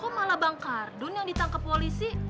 kok malah bangkar dunia yang ditangkap polisi